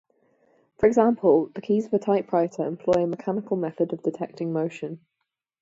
For example, the keys of a typewriter employ a mechanical method of detecting motion.